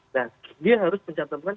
nah dia harus mencatatkan